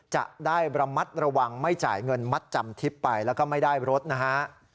จะได้ระมัดระวังไม่จ่ายเงินมัดจำทิพย์ไปแล้วก็ไม่ได้รถนะฮะ